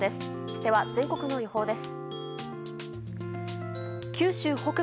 では、全国の予報です。